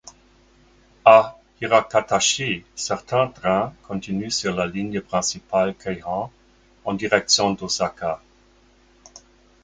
A Hirakatashi, certains trains continuent sur la ligne principale Keihan en direction d'Osaka.